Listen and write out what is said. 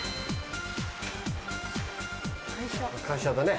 会社だね。